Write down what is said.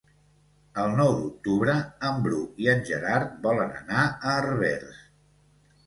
El nou d'octubre en Bru i en Gerard volen anar a Herbers.